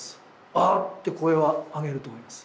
「あっ！」て声をあげると思います